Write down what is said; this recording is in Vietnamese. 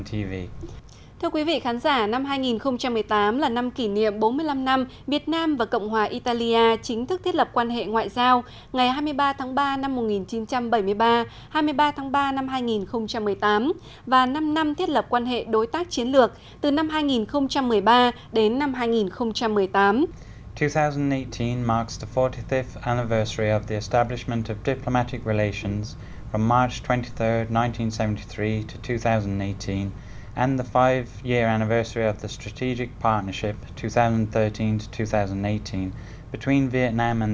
thưa quý vị khán giả năm hai nghìn một mươi tám là năm kỷ niệm bốn mươi năm năm việt nam và cộng hòa italia chính thức thiết lập quan hệ ngoại giao ngày hai mươi ba tháng ba năm một nghìn chín trăm bảy mươi ba hai mươi ba tháng ba năm hai nghìn một mươi tám và năm năm thiết lập quan hệ đối tác chiến lược từ năm hai nghìn một mươi ba đến năm hai nghìn một mươi tám